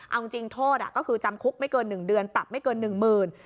เอาจริงโทษก็คือจำคุกไม่เกินหนึ่งเดือนปรับไม่เกินหนึ่งหมื่น